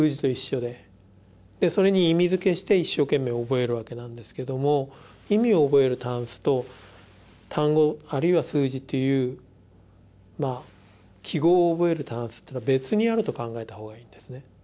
それに意味づけして一生懸命覚えるわけなんですけども意味を覚えるタンスと単語あるいは数字っていう記号を覚えるタンスっていうのは別にあると考えたほうがいいんですね。